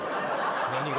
何が？